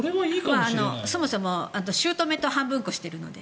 そもそも姑と半分こしてるので。